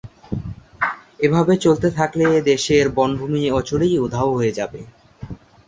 এইভাবে চলতে থাকলে দেশের বনভূমি অচিরেই উধাও হয়ে যাবে।